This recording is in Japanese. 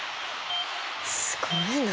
すごいな。